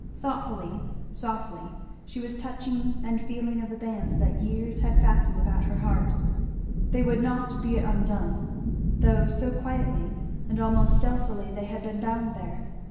Thoughtfully, softly, she was touching and feeling of the bands that years had fastened about her heart they would not be undone, though so quietly and almost stealthily they had been bound there.